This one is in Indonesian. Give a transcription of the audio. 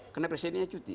karena presidennya cuti